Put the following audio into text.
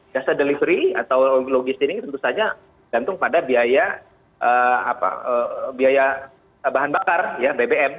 jasa delivery atau logis dirinya tentu saja gantung pada biaya bahan bakar ya bbm